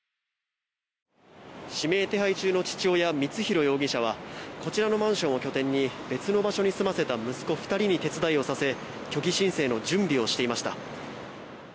指名手配中の父親光弘容疑者はこちらのマンションを拠点に別の場所に住ませた息子２人に手伝いをさせ虚偽申請の準備をしていました。